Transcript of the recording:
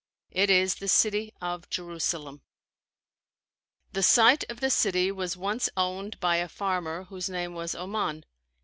It is the city of Jerusalem. The site of the city was once owned by a farmer whose name was Oman.